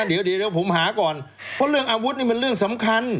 เดี๋ยวเดี๋ยวผมหาก่อนเพราะเรื่องอาวุธนี่มันเรื่องสำคัญ